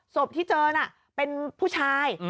ศพที่เจอน่ะเป็นผู้ชาย